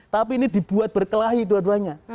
tapi ini dibuat berkelahi dua duanya